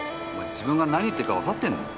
自分が何言ってるかわかってんの？